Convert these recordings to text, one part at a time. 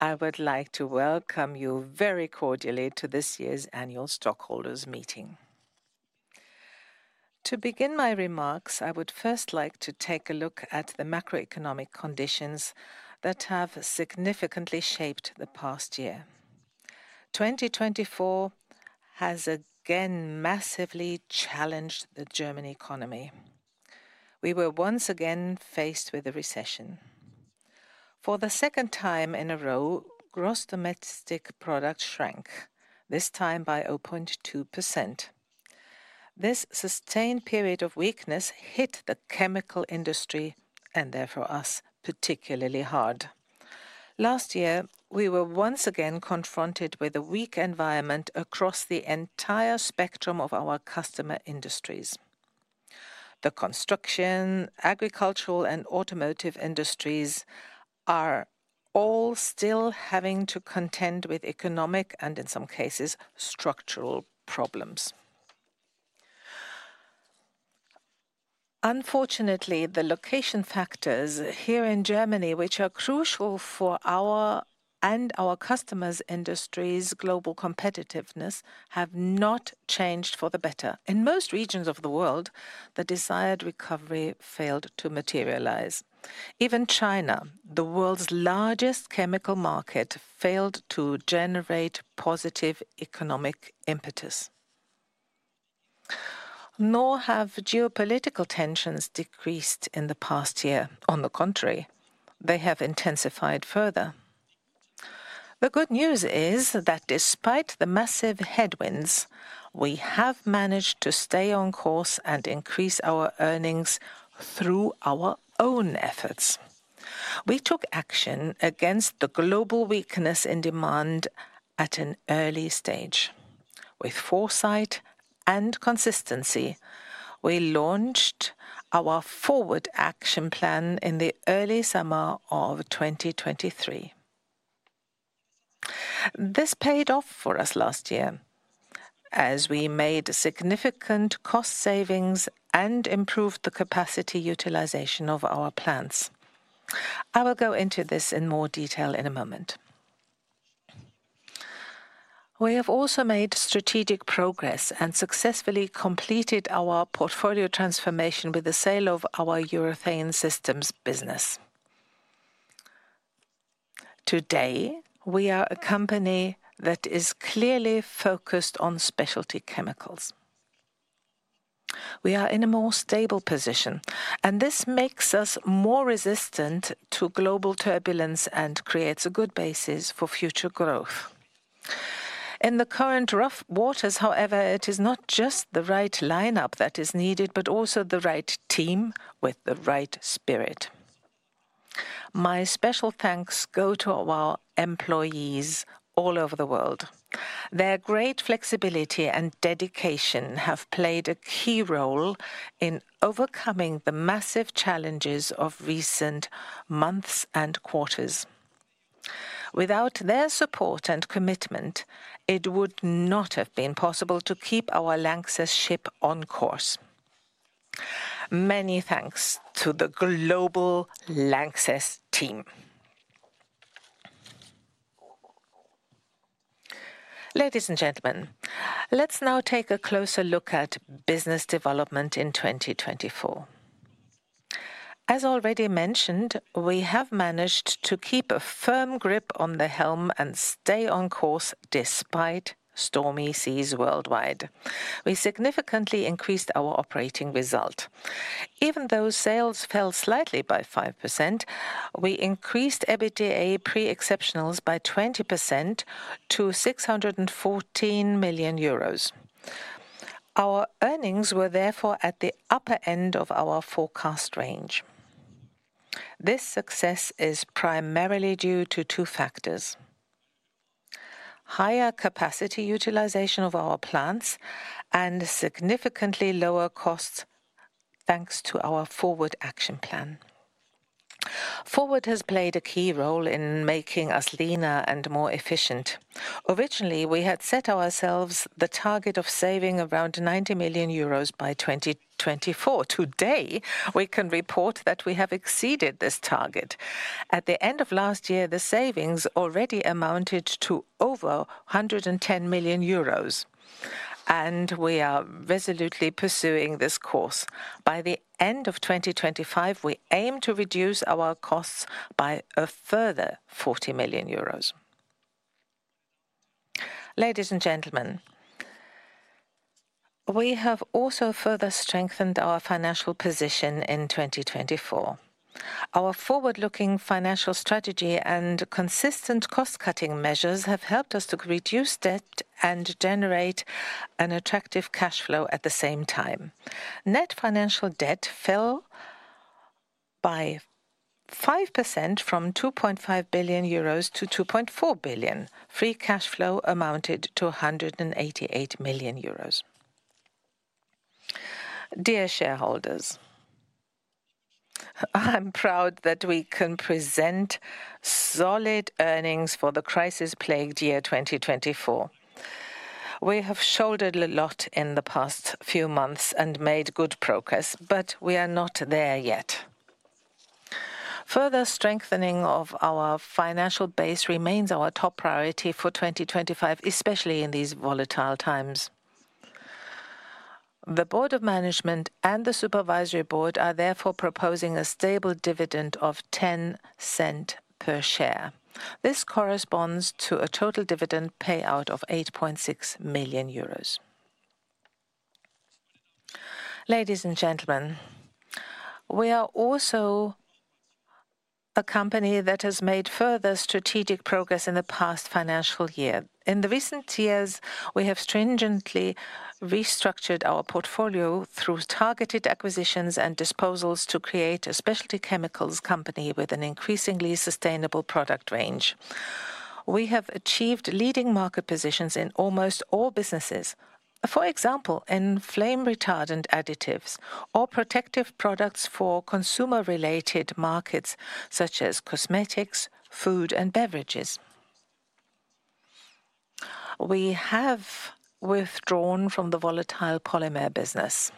I would like to welcome you very cordially to this year's annual stockholders' meeting. To begin my remarks, I would first like to take a look at the macroeconomic conditions that have significantly shaped the past year. 2024 has again massively challenged the German economy. We were once again faced with a recession. For the second time in a row, gross domestic product shrank, this time by 0.2%. This sustained period of weakness hit the chemical industry, and therefore us, particularly hard. Last year, we were once again confronted with a weak environment across the entire spectrum of our customer industries. The construction, agricultural, and automotive industries are all still having to contend with economic and, in some cases, structural problems. Unfortunately, the location factors here in Germany, which are crucial for our and our customers' industries' global competitiveness, have not changed for the better. In most regions of the world, the desired recovery failed to materialize. Even China, the world's largest chemical market, failed to generate positive economic impetus. Nor have geopolitical tensions decreased in the past year. On the contrary, they have intensified further. The good news is that despite the massive headwinds, we have managed to stay on course and increase our earnings through our own efforts. We took action against the global weakness in demand at an early stage. With foresight and consistency, we launched our FORWARD! action plan in the early summer of 2023. This paid off for us last year, as we made significant cost savings and improved the capacity utilization of our plants. I will go into this in more detail in a moment. We have also made strategic progress and successfully completed our portfolio transformation with the sale of our Urethane Systems business. Today, we are a company that is clearly focused on specialty chemicals. We are in a more stable position, and this makes us more resistant to global turbulence and creates a good basis for future growth. In the current rough waters, however, it is not just the right lineup that is needed, but also the right team with the right spirit. My special thanks go to our employees all over the world. Their great flexibility and dedication have played a key role in overcoming the massive challenges of recent months and quarters. Without their support and commitment, it would not have been possible to keep our LANXESS ship on course. Many thanks to the global LANXESS team. Ladies and gentlemen, let's now take a closer look at business development in 2024. As already mentioned, we have managed to keep a firm grip on the helm and stay on course despite stormy seas worldwide. We significantly increased our operating result. Even though sales fell slightly by 5%, we increased EBITDA pre-exceptionals by 20% to 614 million euros. Our earnings were therefore at the upper end of our forecast range. This success is primarily due to two factors: higher capacity utilization of our plants and significantly lower costs, thanks to our Forward action plan. Forward has played a key role in making us leaner and more efficient. Originally, we had set ourselves the target of saving around 90 million euros by 2024. Today, we can report that we have exceeded this target. At the end of last year, the savings already amounted to over 110 million euros, and we are resolutely pursuing this course. By the end of 2025, we aim to reduce our costs by a further 40 million euros. Ladies and gentlemen, we have also further strengthened our financial position in 2024. Our forward-looking financial strategy and consistent cost-cutting measures have helped us to reduce debt and generate an attractive cash flow at the same time. Net financial debt fell by 5% from 2.5 billion euros to 2.4 billion. Free cash flow amounted to 188 million euros. Dear shareholders, I'm proud that we can present solid earnings for the crisis-plagued year 2024. We have shouldered a lot in the past few months and made good progress, but we are not there yet. Further strengthening of our financial base remains our top priority for 2025, especially in these volatile times. The Board of Management and the Supervisory Board are therefore proposing a stable dividend of 0.10 per share. This corresponds to a total dividend payout of 8.6 million euros. Ladies and gentlemen, we are also a company that has made further strategic progress in the past financial year. In the recent years, we have stringently restructured our portfolio through targeted acquisitions and disposals to create a specialty chemicals company with an increasingly sustainable product range. We have achieved leading market positions in almost all businesses. For example, in flame retardant additives or protective products for consumer-related markets such as cosmetics, food, and beverages. We have withdrawn from the volatile polymer business.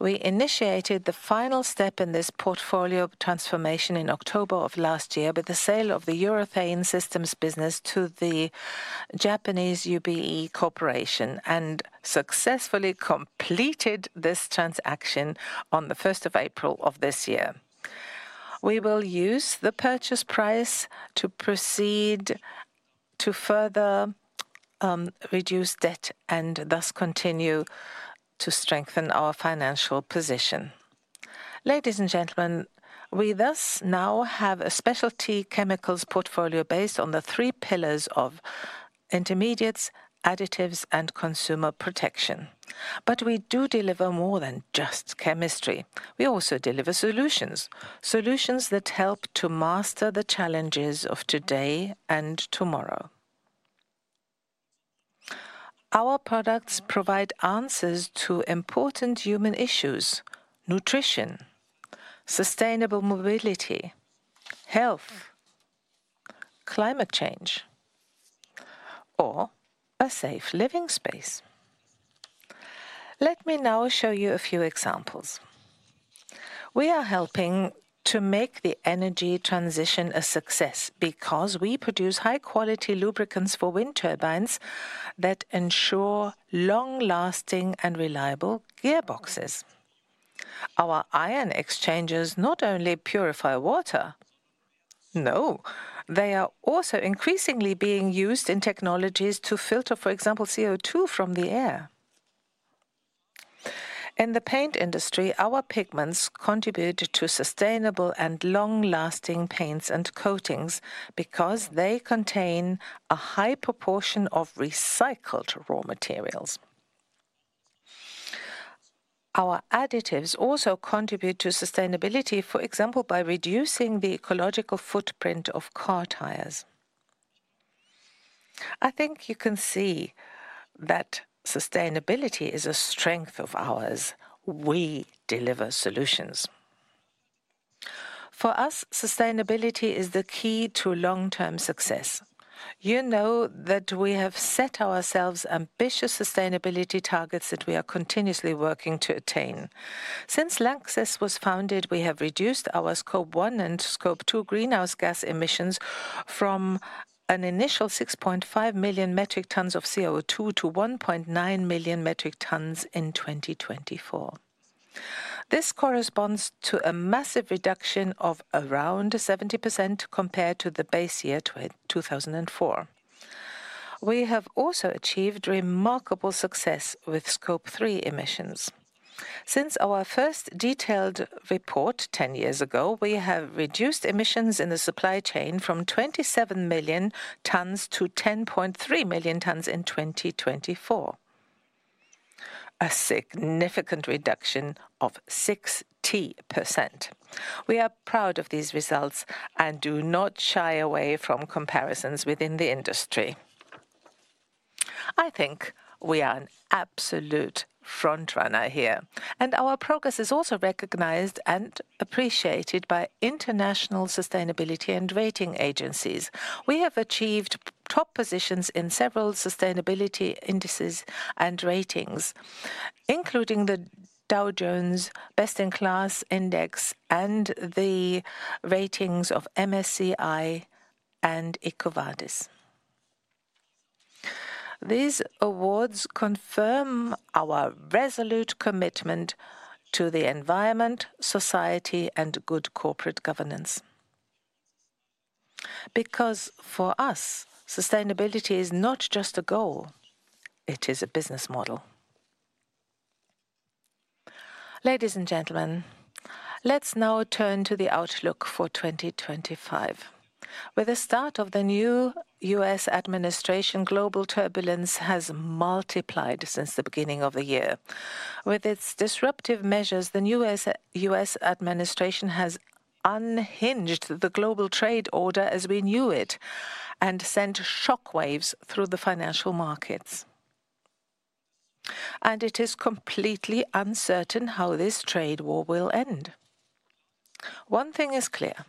We initiated the final step in this portfolio transformation in October of last year with the sale of the Urethane Systems business to the Japanese UBE Corporation and successfully completed this transaction on the 1st of April of this year. We will use the purchase price to proceed to further reduce debt and thus continue to strengthen our financial position. Ladies and gentlemen, we thus now have a specialty chemicals portfolio based on the three pillars of intermediates, additives, and consumer protection. We do deliver more than just chemistry. We also deliver solutions, solutions that help to master the challenges of today and tomorrow. Our products provide answers to important human issues: nutrition, sustainable mobility, health, climate change, or a safe living space. Let me now show you a few examples. We are helping to make the energy transition a success because we produce high-quality lubricants for wind turbines that ensure long-lasting and reliable gearboxes. Our ion exchangers not only purify water, no, they are also increasingly being used in technologies to filter, for example, CO2 from the air. In the paint industry, our pigments contribute to sustainable and long-lasting paints and coatings because they contain a high proportion of recycled raw materials. Our additives also contribute to sustainability, for example, by reducing the ecological footprint of car tires. I think you can see that sustainability is a strength of ours. We deliver solutions. For us, sustainability is the key to long-term success. You know that we have set ourselves ambitious sustainability targets that we are continuously working to attain. Since LANXESS was founded, we have reduced our Scope 1 and Scope 2 greenhouse gas emissions from an initial 6.5 million metric tons of CO2 to 1.9 million metric tons in 2024. This corresponds to a massive reduction of around 70% compared to the base year 2004. We have also achieved remarkable success with Scope 3 emissions. Since our first detailed report ten years ago, we have reduced emissions in the supply chain from 27 million tons to 10.3 million tons in 2024, a significant reduction of 60%. We are proud of these results and do not shy away from comparisons within the industry. I think we are an absolute frontrunner here, and our progress is also recognized and appreciated by international sustainability and rating agencies. We have achieved top positions in several sustainability indices and ratings, including the Dow Jones Best-in-Class Index and the ratings of MSCI, and EcoVadis. These awards confirm our resolute commitment to the environment, society, and good corporate governance. Because for us, sustainability is not just a goal, it is a business model. Ladies and gentlemen, let's now turn to the outlook for 2025. With the start of the new U.S. administration, global turbulence has multiplied since the beginning of the year. With its disruptive measures, the new U.S. administration has unhinged the global trade order as we knew it and sent shockwaves through the financial markets. It is completely uncertain how this trade war will end. One thing is clear: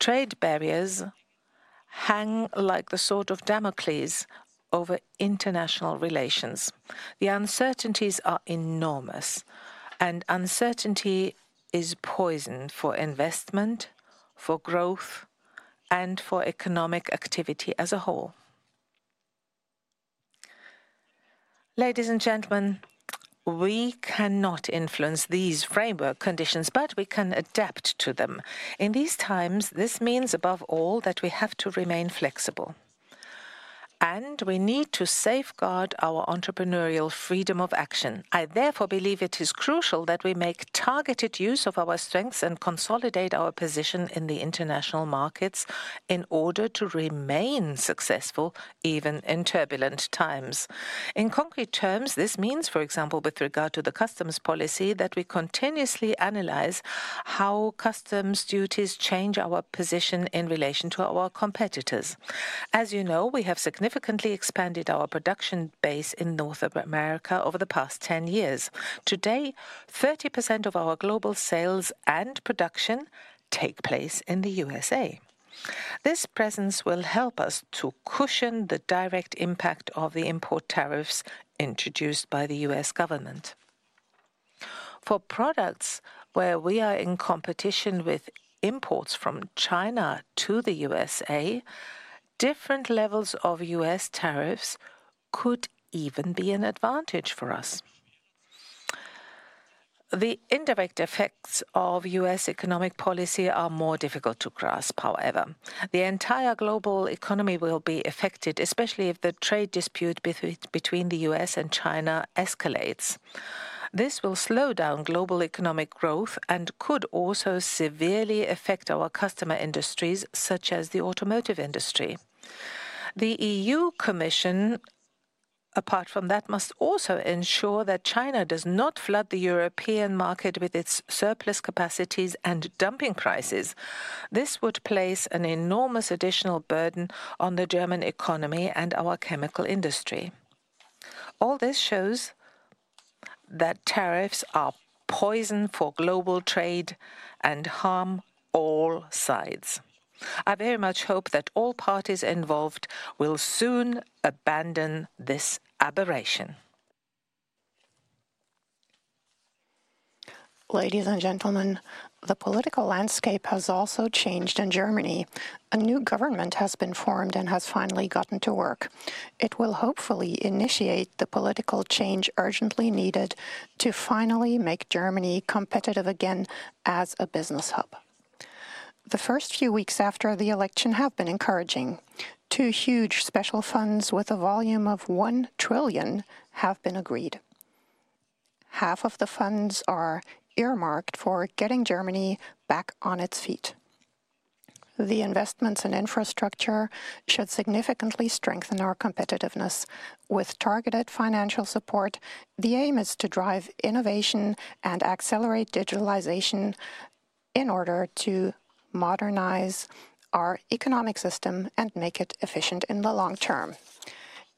trade barriers hang like the sword of Damocles over international relations. The uncertainties are enormous, and uncertainty is poison for investment, for growth, and for economic activity as a whole. Ladies and gentlemen, we cannot influence these framework conditions, but we can adapt to them. In these times, this means above all that we have to remain flexible, and we need to safeguard our entrepreneurial freedom of action. I therefore believe it is crucial that we make targeted use of our strengths and consolidate our position in the international markets in order to remain successful even in turbulent times. In concrete terms, this means, for example, with regard to the customs policy, that we continuously analyze how customs duties change our position in relation to our competitors. As you know, we have significantly expanded our production base in North America over the past ten years. Today, 30% of our global sales and production take place in the USA This presence will help us to cushion the direct impact of the import tariffs introduced by the U.S. government. For products where we are in competition with imports from China to the USA, different levels of U.S. tariffs could even be an advantage for us. The indirect effects of U.S. economic policy are more difficult to grasp, however. The entire global economy will be affected, especially if the trade dispute between the U.S. and China escalates. This will slow down global economic growth and could also severely affect our customer industries, such as the automotive industry. The EU Commission, apart from that, must also ensure that China does not flood the European market with its surplus capacities and dumping prices. This would place an enormous additional burden on the German economy and our chemical industry. All this shows that tariffs are poison for global trade and harm all sides. I very much hope that all parties involved will soon abandon this aberration. Ladies and gentlemen, the political landscape has also changed in Germany. A new government has been formed and has finally gotten to work. It will hopefully initiate the political change urgently needed to finally make Germany competitive again as a business hub. The first few weeks after the election have been encouraging. Two huge special funds with a volume of 1 trillion have been agreed. Half of the funds are earmarked for getting Germany back on its feet. The investments in infrastructure should significantly strengthen our competitiveness. With targeted financial support, the aim is to drive innovation and accelerate digitalization in order to modernize our economic system and make it efficient in the long term.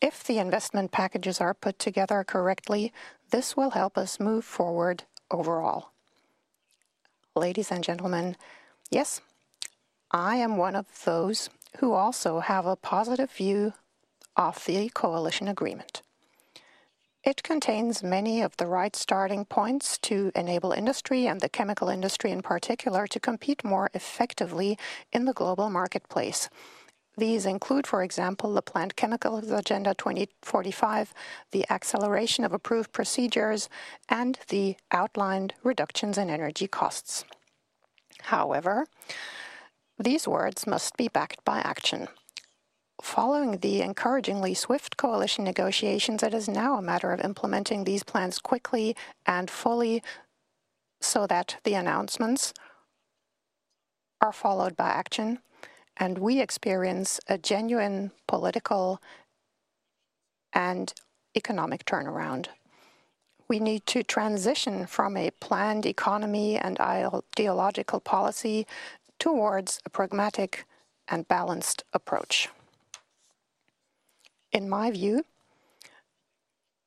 If the investment packages are put together correctly, this will help us move forward overall. Ladies and gentlemen, yes, I am one of those who also have a positive view of the coalition agreement. It contains many of the right starting points to enable industry and the chemical industry in particular to compete more effectively in the global marketplace. These include, for example, the planned Chemicals Agenda 2045, the acceleration of approved procedures, and the outlined reductions in energy costs. However, these words must be backed by action. Following the encouragingly swift coalition negotiations, it is now a matter of implementing these plans quickly and fully so that the announcements are followed by action, and we experience a genuine political and economic turnaround. We need to transition from a planned economy and ideological policy towards a pragmatic and balanced approach. In my view,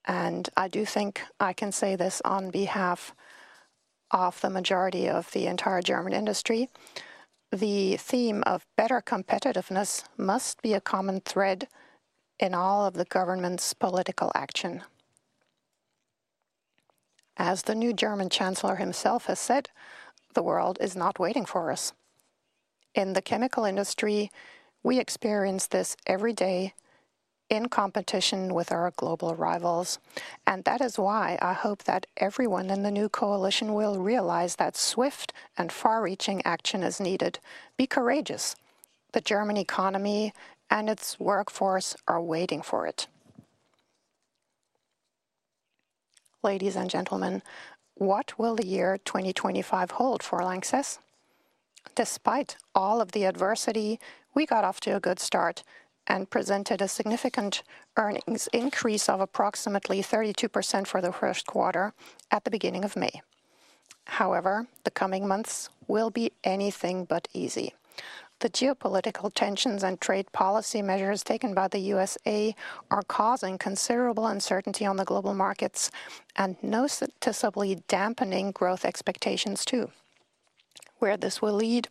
and I do think I can say this on behalf of the majority of the entire German industry, the theme of better competitiveness must be a common thread in all of the government's political action. As the new German chancellor himself has said, the world is not waiting for us. In the chemical industry, we experience this every day in competition with our global rivals, and that is why I hope that everyone in the new coalition will realize that swift and far-reaching action is needed. Be courageous. The German economy and its workforce are waiting for it. Ladies and gentlemen, what will the year 2025 hold for LANXESS? Despite all of the adversity, we got off to a good start and presented a significant earnings increase of approximately 32% for the first quarter at the beginning of May. However, the coming months will be anything but easy. The geopolitical tensions and trade policy measures taken by the USA are causing considerable uncertainty on the global markets and noticeably dampening growth expectations too. Where this will lead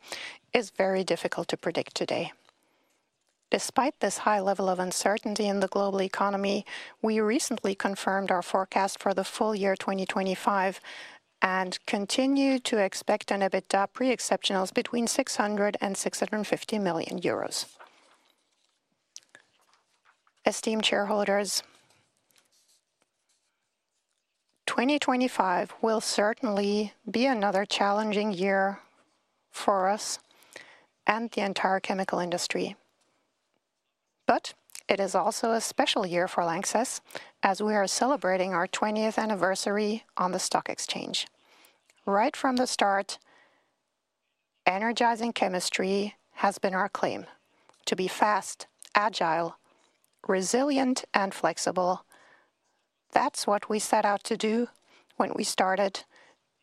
is very difficult to predict today. Despite this high level of uncertainty in the global economy, we recently confirmed our forecast for the full year 2025 and continue to expect an EBITDA pre-exceptionals between 600 million euros and 650 million euros. Esteemed shareholders, 2025 will certainly be another challenging year for us and the entire chemical industry. It is also a special year for LANXESS as we are celebrating our 20th anniversary on the stock exchange. Right from the start, energizing chemistry has been our claim: to be fast, agile, resilient, and flexible. That is what we set out to do when we started,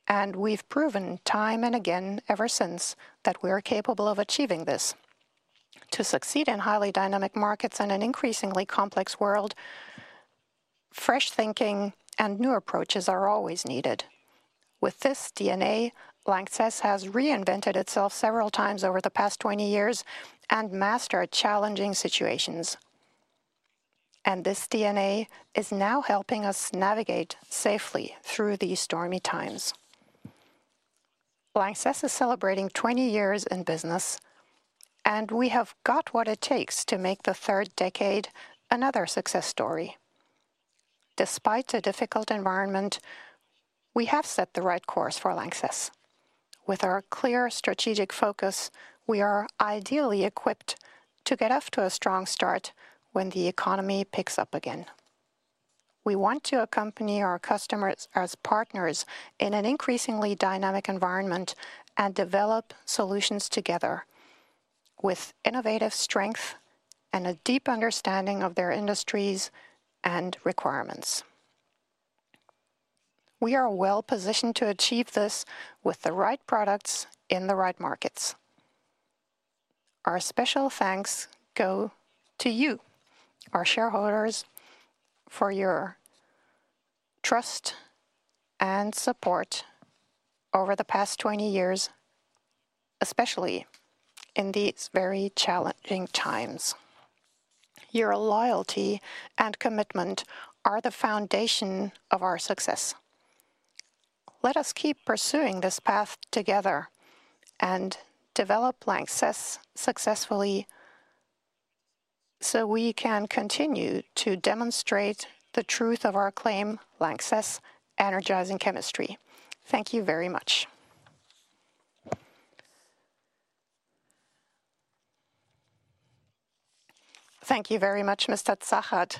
and we have proven time and again ever since that we are capable of achieving this. To succeed in highly dynamic markets and an increasingly complex world, fresh thinking and new approaches are always needed. With this DNA, LANXESS has reinvented itself several times over the past 20 years and mastered challenging situations. This DNA is now helping us navigate safely through these stormy times. LANXESS is celebrating 20 years in business, and we have got what it takes to make the third decade another success story. Despite a difficult environment, we have set the right course for LANXESS. With our clear strategic focus, we are ideally equipped to get off to a strong start when the economy picks up again. We want to accompany our customers as partners in an increasingly dynamic environment and develop solutions together with innovative strength and a deep understanding of their industries and requirements. We are well-positioned to achieve this with the right products in the right markets. Our special thanks go to you, our shareholders, for your trust and support over the past 20 years, especially in these very challenging times. Your loyalty and commitment are the foundation of our success. Let us keep pursuing this path together and develop LANXESS successfully so we can continue to demonstrate the truth of our claim, LANXESS Energizing Chemistry. Thank you very much. Thank you very much, Mr. Zachert.